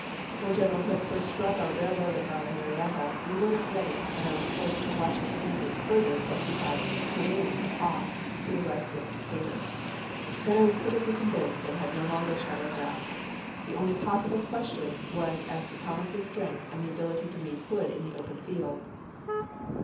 When General Hood first struck our railroad above Marietta we were not ready, and I was forced to watch his movements further till he had * carromed ' off to the west of Decatur. Then I was perfectly convinced, and had no longer a shadow of doubt. The only possible question was as to Thomas's strength and ability to meet Hood in the open field.